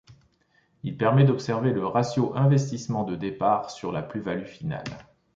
Il permet d'observer le ratio investissement de départ sur la plus-value finale.